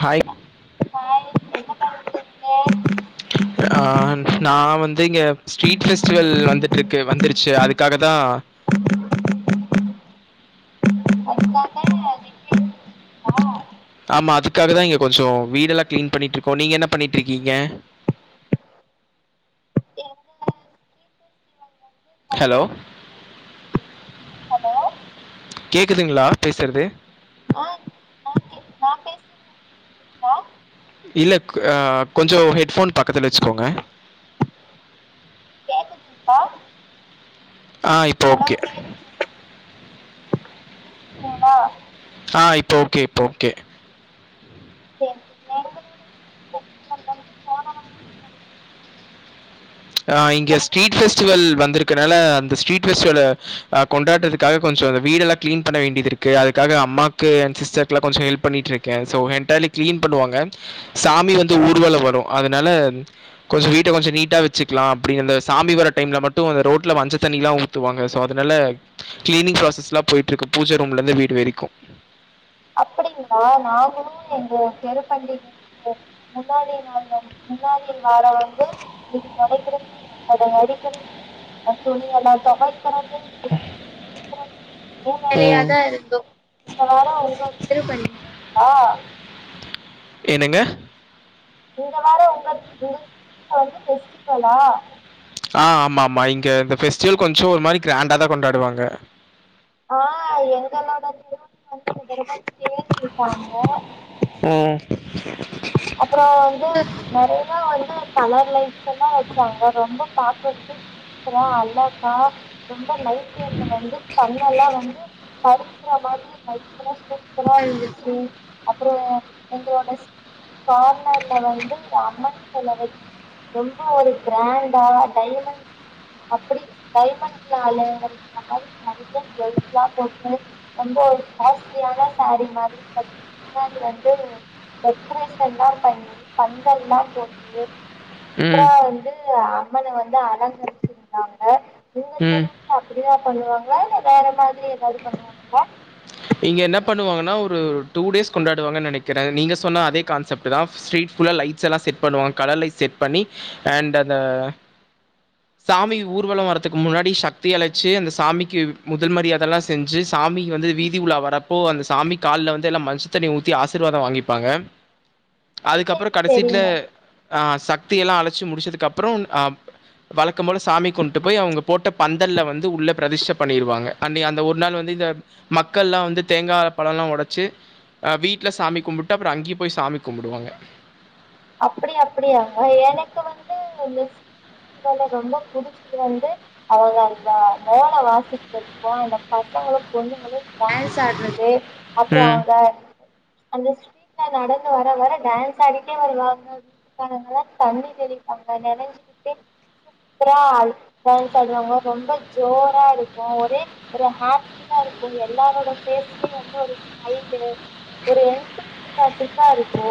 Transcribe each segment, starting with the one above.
Hi hi என்ன பண்றீங்க நா வந்து இங்க ஸ்ட்ரீட் ஃபெஸ்டிவல் வந்துட்டுர்க்கு வந்துருச்சி அதுக்காக தா [unintelligible] ஆமா அதுக்காக தா இங்க கொஞ்சொ வீடெல்லா கிளீன் பண்ணிட்டுர்க்கோ நீங்க என்ன பண்ணிட்டுர்க்கீங்க எங்க ஸ்ட்ரீட் ஃபெஸ்டிவல் வந்து போன ஹலோ வாரமே முடிஞ்சிருச்சு ஹலோ கேக்குதுங்களா பேசுறது ஆ நா கே நா பேசு இல்ல க கொஞ்ச ஹெட் ஃபோன் பக்கத்துல வச்சுக்கோங்க க்குதுப்பா ஆ இப்போ ஓகே கேக்குது கேக்குதுங்களா ஆ இப்போ ஓகே இப்போ ஓகே செரி போன வாரமே முடிஞ்சிருச்சு ஆ இங்க உங்களுது ஸ்ட்ரீட் இந்த ஃபெஸ்டிவல் வந்திருக்கனால அந்த ஸ்டரீட் ஃபெஸ்டிவல அ கொண்டாரத்துக்காக கொஞ்சொ வீடலா க்ளீன் பண்ணவேண்டியதிர்க்கு அதுக்காக அம்மாக்கு அண்ட் சிஸ்டர்க்கெலா கொஞ்சொ ஹெல்ப் பண்ணிட்டுர்க் கே ஸோ என்டெர்ய்லி கிளீன் பண்ணுவாங்க சாமி வந்து ஊர்வல வரு அதனால கொஞ்சொ வீட்ட கொஞ்சொ நீட்டா வை ச்சிக்லா அப்டி அந்த சாமி வர டைம்ல மட்டு ரோட்ல மஞ்ச தண்ணிலா ஊத்துவாங்க சோ அதனால க்ளீனிங் ப்ராசஸ்லா போயிட்ருக்கு பூஜ ரூம்லருந்து வீடு வெரிக்கூ அப்டிங்ளா நாங்களு எங்க தெரு பண்டிக முன்னாடி நாள் வந்து முன்னாடி வார வந்து வீடு தொடக்கிறது ஒட்டட அடிக்கிறது துணியெல்லா தொவக்கிறது ஒரே ம். வேலயாதா இருக்கூ இந்த வார வீட க்ளீன் [unintelligible] ஏனுங்க இந்த வாரொ ஒங்கள் ஒங்க வீட்ல வந்து ஃபெஸ்டிவலா ஆ ஆமா ஆமா இங்க இந்த ஃபெஸ்டிவல் கொஞ்சொ ஒரு மாரி கிராண்டாதா கொண்டாடுவாங்க ஆ எங்களோடதையு [unintelligible] ம் அப்பறொ வந்து நெறையா வந்து கலர் லைட்ஸ்லா வச்சாங்க ரொம்ப பாக்கர்க்கே அப்பறொ அழகா ரொம்ப நைட்டைம்ல வந்து கண்ணலா வந்து பறிக்கிற மாரி லைட்லா சூப்ரா இருந்துச்சு அப்பறொ எங்களோடஸ் கார்னர்ல வந்து அம்மன் செல வச்சி ரொம்ப ஒரு கிராண்டா டைமண்ட் அப்படி டைமண்ட்னாலா அலங்கரிக்கிற மாரி நெறைய ஜுவெல்ஸ்லா போட்டு ரொம்ப ஒரு காஸ்ட்லியான சாரி மாரி கட்டி பின்னாடி வந்து டெக்ரேஷ் ன்லா பண்ணி பந்தல்லா போட்டு சூப்ரா ம். வந்து அம்மன வந்து அலங்கரிச்சிருந்தாங்க உங்க ம் தெருவுலயு அப்டிதா பண்ணுவாங்ளா இல்ல வேற மாதிரி ஏதாது பண்ணுவாங்ளா இங்க என்ன பண்ணுவாங்கன்னா ஒரு டூ டேஸ் கொண்டாடுவாங்க நெனைக்கிறே நீங்க சொன்ன அதே கான்செப்ட்தா ஸ் ரீட் ஃபுல்லா லை ட்ஸ் எல்லா செட் பண்ணுவாங்க கலர் லைட் செட் பண்ணி அண்ட் அந்த சாமி ஊர்வல வரறதுக்கு முன்னாடி சக்தி அழைச்சி அந்த சாமிக்கு முதல் மரியாதைல்லா செஞ்சு சாமி வந்து வீதி உலா வரப்போ அந்த சாமி கால்ல வந்து எல்லா மஞ்ச தண்ணி ஊத்தி ஆசிர்வாத வாங்கிபாங்க அதுக்கப்புற சேரி கடைசிட்ல சேரிங்க அ சக்தி எல்லா அழைச்சி முடிச்சதுக்கு அப்புற அ வழக்கம்போல சாமி கும்ட்டு போய் அவங்க போட்ட பந்தல்ல வந்து உள்ள ப்ரதிஷ்ட பண்ணிடுவாங்க அண்ணி அந்த ஒரு நாள் வந்து இத மக்கள்லா வந்து தேங்கா பழலா ஒடைச்சி அ வீட்ல சாமி கும்ட்டு அப்புற அங்யு போய் சாமி கும்புடுவாங்க அப்டி அப்டியாங்க எனக்கு வந்து மிஸ் போல ரொம்ப புடிச்சது வந்து அவங்க அந்த வேன வாசிக்றதுக்கு அந்த பசங்களு பொண்ணுங்ளு டான்ஸ் ஆடுறது அப்புற ம். அங்க அந்த ஸ்ட்ரீட்ல நடந்து வர வர டான்ஸ் ஆடிட் டே வருவாங்க தண்ணி தெரிவிப்பாங்க நெனஞ்சுக்கிட்டே சூப்ரா டான்ஸ் ஆடுவாங்க ரொம்ப ஜோரா இருக்கு ஒரே ஒரு ஹா ப்பியா இருக்கு எல்லாரோட ஃபேஸ்லயு வந்து ஒரு ஸ்மைலு ஒரு என்து யாட்டிக்கா இருக்கு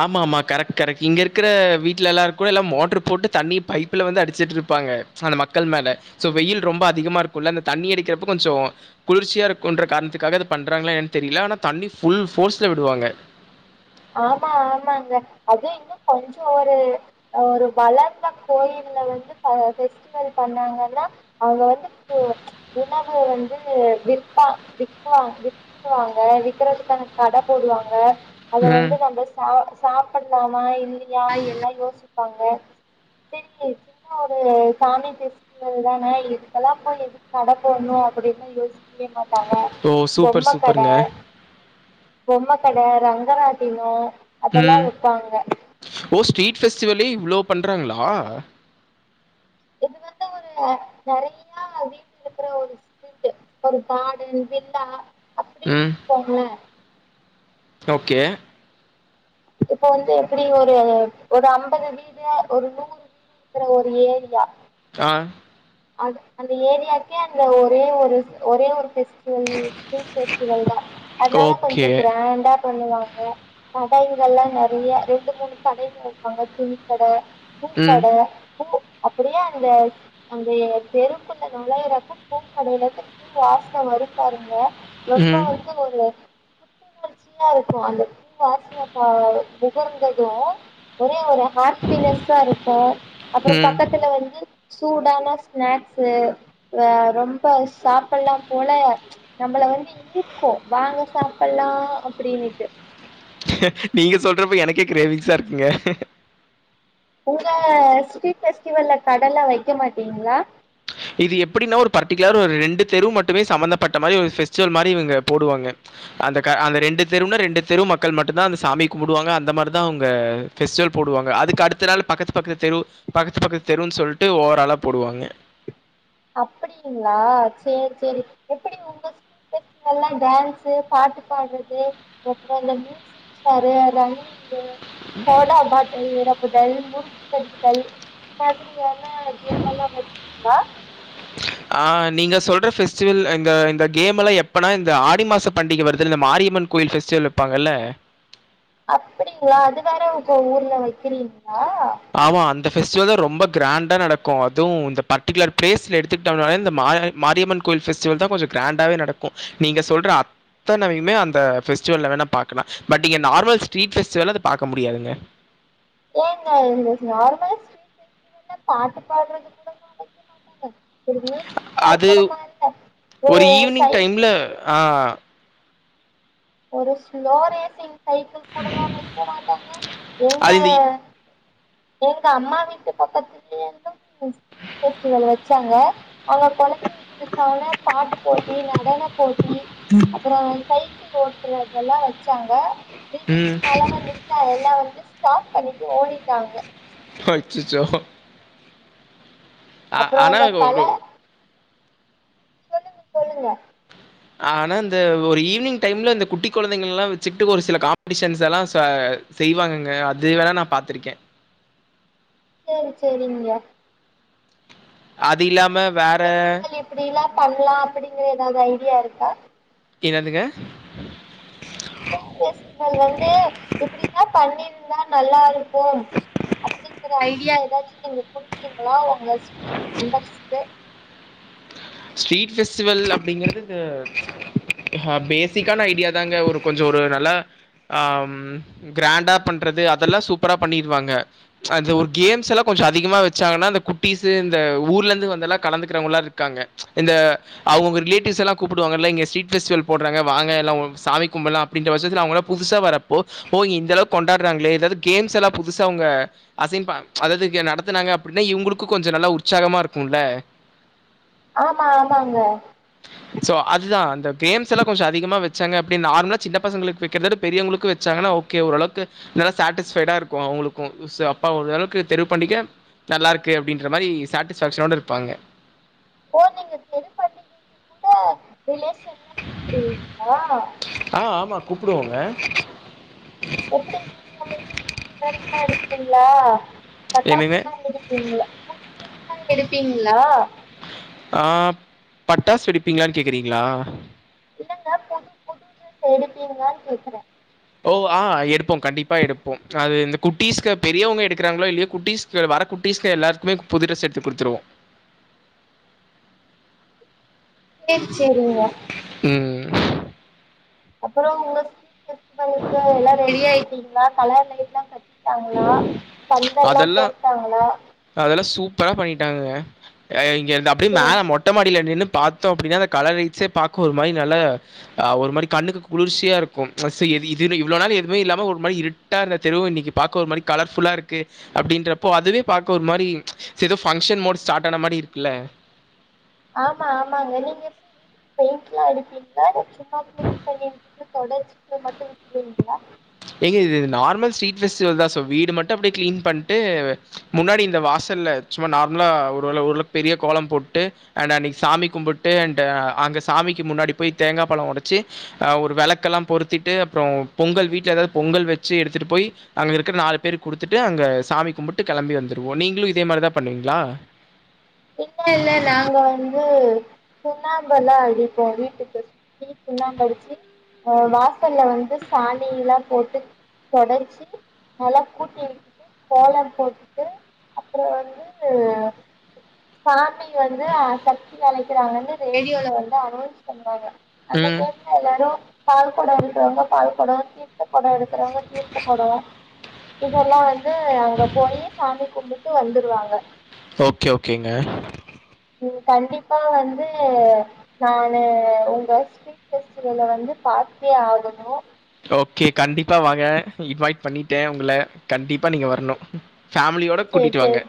ஆமா ஆமா கரெக்ட் கரெக்ட் இங்க இருக்கிற வீட்லல்லா கூட எல்லா மோட்ரு போட்டு தண்ணி பைப்ல வந்து அடிச்சிட்டு இருப்பாங்க அந்த மக்கள் மேல சோ வெயில் ரொம்ப அதிகமா இருக்குல்ல அந்த தண்ணி அடிக்கிறப்ப கொஞ்சோ குளிர்ச்சியா இருக்குன்ற காரணத்துக்காக இத பண்றாங்களா எனு தெரில ஆனா தண்ணி ஃபுல் ஃபோர்ஸ்ல விடுவாங்க ஆமா ஆமாங்க அது இன்னு கொஞ்ச ஒரு ஒரு வளர்ந்த கோயில்ல வந்து ஃபெஸ்டிவல் பண்ணாங்கன்னா அவங்க வந்து இப்போ உணவு வந்து விற்பா விற்பா விற்ப் விக்குவாங்க விக்றதுக்கான கட போடுவாங்க அத ம். வந்து நம்ம சா சாப்பிடலாமா இல்லையா எல்லா யோசிப்பாங்க செரி என்ன ஒரு சாமி பேசு னதுதானே இதுக்கெல்லா போய் எதுக்கு கட போணு அப்டின்லா யோசிக்கவே மாட்டாங்க ஓ சூப்பர் பொம்ம கட சூப்பருங்க பொம்ம கட ரங்கராட்டின அதல்லா ம் வப்பாங்க ஓ ஸ் ரீட் ஃபெஸ்டிவலே இவ்ளோ பண்றாங்ளா இது வந்து ஒரு நெறையா வீடு இருக்கிற ஒரு ஸ்ட்ரீட்டு ஒரு கார்டன் வில்லா அப்டின் ம் வச்சுக்கோங்ளே ஓகே இப்போ வந்து எப்டி ஒரு ஒரு அம்பது வீடு ஒரு நூறு வீடு இருக்குற ஒரு ஏரியா அ அ அந்த ஏரியாக்கே அந்த ஒரே ஒரு ஒரே ஒரு ஃபெஸ்டி வல் ஸ்ட்ரீட் ஃபெஸ்டிவல்தா அதனால கொஞ்ச ஓகே க்ராண்டா பண்ணுவாங்க கடைங்கல்லா நெறைய ரெண்டு மூணு கடைங்க வப்பாங்க துணி கட ம் பூக்கட பூ அப்டியே அந்த அந்த தெருக்குள்ள நொழைர அப்போ பூக்கடைல இருந்து பூ வாசன வரு பாருங்க ரொம்ப ம் வந்து ஒரு புத்துணர்ச்சியா இருக்கு அந்த பூ வாசன ஆ நுகர்ந்ததும் ஒரே ஒரு ஹாப்பினஸ் இருக்கோ அப்புறம் ம் பக்கத்துல வந்து சூடான சினேக்ஸ் ரொம்ப சாப்பிடலா போல நம்மள வந்து ஈயிர்க்கும் வாங்க சாப்பிடலா அப்டின்னுட்டு நீங்க சொல்றப்ப எனக்கே கிரேவிங்ஸா இருக்குங்க உங்க ஸ்ட்ரீட் பெஸ்டிவல்ல கடல்லா வைக்க மாட்டீங்களா இது எப்டின்னா ஒரு பர்டிகுலர்ரா ஒரு ரெண்டு தெரு மட்டுமே சமந்தப்பட்ட மாதிரி ஒரு பெஸ்டிவல் மாதிரி இங்க போடுவாங்க அந்த க அந்த ரெண்டு தெருவுன்னா ரெண்டு தெரு மக்கள் மட்டும்தா அந்த சாமி கும்பிடுவாங்க அந்த மாதிரிதா அவங்க ஃபெஸ்டிவல் போடுவாங்க அதுக்கடுத்த நாள் பக்கத்து பக்கத்து தெரு பக்கத்து பக்கத்து தெருன்னு சொல்லிட்டு ஓவ்வோரூ ஆலா போடுவாங்க அப்படிங்களா சரி சரி எப்படி உங்க கிட்ஸ் எல்லா டான்ஸு பாட்டு பாடுறது அப்புறம் இந்த மியூசிக் சர் அதா மாதிரி இந்த சோடா பாட்டில் இறப்புதல் முற்புதல் இந்த மாதிரியான கேம் எல்லாம் வைப்பீங்களா ஆ நீங்க சொல்ற பெஸ்டிவல் இந்த கேம்ல எப்பனா இந்த ஆடி மாச பண்டிக வருதுல இந்த மாரியம்மன் கோயில் ஃபெஸ்டிவல் வைப்பாங்கல அப்படிங்களா அது வேற இப்போ ஊர்ல வைக்கிறீங்களா ஆமா அந்த பெஃபஸ்டிவல் தா ரொம்ப கிராண்டா நடக்கும் அது இந்த பர்டிகுலர் பிளேஸ்ல எடுத்துக்கிட்டோம்னால இந்த மாரியம்மன் கோயில் பெஸ்டிவல் தா கொஞ்ச கிராண்டாவே நடக்கும் நீங்க சொல்ற அத்தனையுமே அந்த பெஸ்டிவல்ல வேணா பாக்கலா பட் இங்க நார்மல் ஸ்ட்ரீட் பெஸ்டிவல்ல அத பாக்க முடியாதுங்க ஏங்க இந்த நார்மல்லா பெஸ்டிவல்ல பாட்டு பாடுறது கூட வா வைக்க மாட்டாங்க ஒரு மியூசிக் சேர் அது கூடமா இல்ல ஒரு ஈவினிங் சைக்கிள் டைம்ல் ஆ ஒரு ஸ்லோ ரேசிங் சைக்கிள் கூடுவா வைக்க மாட்டாங்க எங்க அது இந்த எங்க அம்மா வீட்டு பக்கத்துலையு ஸ்ட்ரீட் பெஸிடிவல் வச்சாங்க அங்க குழந்தைக்கான பாட்டு போட்டி நடன போட்டி அப்புறம் சைக்கிள் ஓட்டுறதெல்லா வச்சாங்க திடீர்னு ம். மழ வந்துச்சா எல்லா வந்து ஸ்டாப் பண்ணிட்டு ஓடிட்டாங்க அச்சச்சோ ஆ அப்புறம் ஆனா அந்த கல ஒரு சொல்லுங்க சொல்லுங்க ஆனா இந்த ஒரு ஈவினிங் டைம்ல இந்த குட்டி குழந்தைங்க எல்லாம் வச்சுக்கிட்டு ஒரு சில காம்படிஷன்ஸ் எல்லா செய்வாங்கங்க அது வேன நா பாத்திருக்கே சரி சரிங்க அது இல்லாம வேற எப்படிலாம் பண்ணலா அப்படிங்கற ஏதாவது ஐடியா இருக்கா என்னதுங்க ஸ்ட்ரீட் லைட் பெஸ்டிவல் வந்து இப்படினா பண்ணிருந்தா நல்லா இருக் கும் அப்படிங்கிற ஐடியா ஏதாச்சு நீங்க குடுப்பீங்களா உங்க ஸ்ட்ரீட் மெம்பெர்ஸ்கு ஸ்ட்ரீட் ஃபெஸ்டிவல் அப்படிங்கறது ஆ பேசிக்கான ஐடியாதாங்க ஒரு கொஞ்ச ஒரு நல்ல ஆ கிராண்டா பண்றது அதெல்லா சூப்பரா பண்ணிடுவாங்க அந்த ஒரு கேம்ஸ் எல்லா கொஞ்சம் அதிகமா வச்சாங்கன்னா அந்த குட்டிஸ் இந்த ஊர்ல இருந்து வந்தவங்கல்லா கலந்துக்கிறவங்க எல்லா இருக்காங்க இந்த அவங்க ரிலேட்டிவ்ஸ் எல்லாம் கூப்பிடுவாங்கள இங்க ஸரீட் பெஸ்டிவல் போடுறாங்கங்க வங்க சாமி கும்படல்லா இந்த வருஷத்துல அவங்களா புதுசா வரப்போ ஓ இந்த அளவுக்கு கொண்டாடுறாங்களே அதாது கேம்ஸ் எல்லா புதுசா அவங்க அசின்பா அதாவ்து இங்க நடத்துனாங்க அப்படின்னா இவங்களுக்கு கொஞ்சோ நல்லா உற்சாகமா இருக்குல்ல ஆமா ஆமாங்க சோ அதுதா அந்த கேம்ஸ் எல்லா கொஞ்சோ அதிகமா வச்சாங்க அப்டி நார்மலா சின்ன பசங்களுக்கு வெக்கற மாரி பெரியவங்களுக்கு வெச்சாங்கனா ஓ க்கே ஓரளவுக்கு நல்லா சாட்டிஸ்பைடா இருக்கூ அவங்களுக்கு சிறப்பா ஓர் அளவுக்கு தெரிவு பண்ணிக்க நல்லாருக்கு அப்டின்ற மாரி சட்டிஸ்ஃபேக்ஸனோட இருப்பாங்க ஓ நீங்க தெரிஞ் ரிலேஷன் எல்லா கூப்புடுவீங்களா ஆ ஆமா கூப்புடுவோங்க எப்டிங் எல்லா எடுப்பீங்களா பட்டாசு என்னங்க? எல்லா வெடிப்பீங்களா புது ட்ரெஸ் எல்லா எடுப்பீங்களா ஆ பட்டாசு வெடிப்பீங்களான் கேக்குறீங்களா இல்லங்க புது புது ட்ரெஸ் எடுப்பீங்களா கேக்குறே ஓ ஆ எடுப்போ கண்டிப்பா எடுப்போ அது இந்த குட்டீஸ்க பெரியவங்க எடுக்கிறாங்களோ இல்லயோ குட்டிஸ் சே வர குட்டீஸ்க எல்லாருக்குமே புது ட்ரெஸ் எடுத்து குடுத்துருவோ [inaudible] சேர் சேரிங்க ம் ம் அப்பறோ உங்க ஸ்ட்ரீட்ல இருக்ற இருக்க எல்லா ரெடி ஆயிட்டீங்களா கலர் லைட்லா கட் டாங்களா பந்தல்லா போட்டாங்களா அதெல்லா சூப்பரா பண்ணிட்டாங்கங்க அ இங்க இருந்து அப்டியே சேரி மேல மொட் டமாடில நின்னு பாத்தோ அப்டின்னா அந்த கலர் லைட்ஸே பாக்க ஒரு மாரி நல்ல ஆ ஒரு மாரி கண்ணுக்கு குளிர்ச்சியா இருக்கும் அ சே இது இதுனு இவ்ளோ நாள் எதுவுமே இல்லாம ஒரு மாரி இருட்டா இருந்த தெருவு இன்னைக்கு பாக்க ஒரு மாரி கலர் ஃபுல்லா இருக்கு அப்டின்றப்போ அதுவே பாக்க ஒரு மாரி செதோ ஃபங்க்ஷன் மோ ஸ்டார்ட் ஆன மாரி இருக்குல்ல ஆமா ஆமாங்க நீங்க எப்டி வீட்டுக்கு பெயிண்ட்லா அடிப்பீங்களா இல்ல சும்மா க்ளீன் பண்ணி இல்ல தொடர்ச்சிட்டு மட்டு விட்ருவீங்களா ஏங்க இது நார்மல் ஸ்ட்ரீட் ஃபெஸ்டிவல் தா சோ வீடு மட்டு அப்டியே கிளீனீ பண்ட்டு முன்னாடி இந்த வாசல்ல சும்மா நார்மலா ஒருவள ஓரளவு பெரிய கோலம் போட்டு அண்ட் அன்னைக்கு சாமி கும்புட்டு அண்டு அங்க சாமிக்கு முன்னாடி போய் தேங்கா பழோ ஒடச்சு அ ஒரு விளக்கெல்லா பொருத்திட்டு அப்றோ பொங்கல் வீட்ல ஏதா பொங்கல் வச்சு எடுத்துட்டு போய் அங்க இருக்கிற நாலு பேரு குடுத்துட்டு அங்க சாமி கும்புட்டு கெளம்பி வந்துருவோ நீங்களு இதே மாரிதா பண்ணுவீங்களா இல்ல இல்ல நாங்க வந்து சுண்ணாம்பெல்லா அடிப்போ வீட்டுக்கு சி சுண்ணாம்படிச்சி அ வாசல்ல வந்து சாணி எல்லா போட்டு தொடர்ச்சி நல்லா கூட்டி வக்கிட்டு கோலம் போட்டுட்டு அப்றோ வந்து சாமி வந்து ஆ சக்தி அழைக்கிறாங்கன்னு ரேடியோல வந்து அனொன்ஸ் பண்ணுவாங்க அந்த ம். டைம்ல எல்லாரு பால் கொடோ எடுக்குறவங்க பால் கொடோ தீர்த்த கொடோ எடு க்குறவங்க தீர்த்த கொடோ இதெல்லா வந்து அங்க போயி சாமி கும்புட்டு வந்துருவாங்க சோக்கே ஓக்கேங்க ம் கண்டிப்பா வந்து நானு உங்க ஸ் ட்ரீட் ஃபெஸ்டிவல வந்து பாத்தே ஆகணு ஓக்கே கண்டிப்பா வாங்க இன்வைட் பண்ணிட்டே உங்கள கண்டிப்பா நீங்க வரணு ஃபேமிலியோட சேரி கூட்டிட்டு வாங்க. சேரி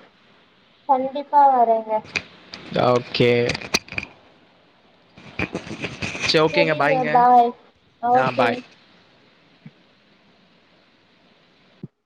கண்டிப்பா வரேங்க ஓகே செரி ஓகேங்க செரிங்க ஃபாய்ங்க பாய் ஆ யா ஓகே ஃபாய்